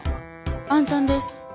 暗算です。